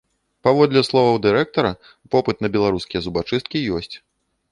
Паводле словаў дырэктара, попыт на беларускія зубачысткі ёсць.